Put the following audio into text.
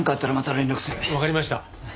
わかりました。